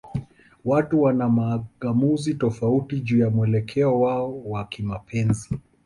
Watu wana mang'amuzi tofauti juu ya mwelekeo wao wa kimapenzi.